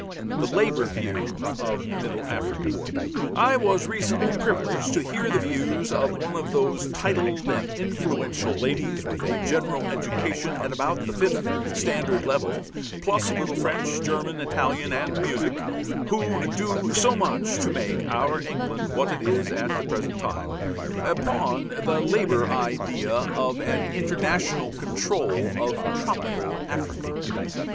IV THE LABOUR VIEW OF MIDDLE AFRICA I was recently privileged to hear the views of one of those titled and influential ladies with a general education at about the fifth standard level, plus a little French, German, Italian, and music who do so much to make our England what it is at the present time, upon the Labour idea of an international control of "tropical" Africa.